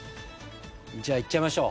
じゃあいっちゃいましょう。